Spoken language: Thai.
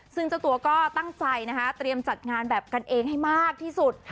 ซึ่งเจ้าตัวก็ตั้งใจนะคะเตรียมจัดงานแบบกันเองให้มากที่สุด